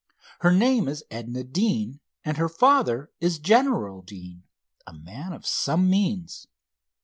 Her name is Edna Deane, and her father is General Deane, a man of some means.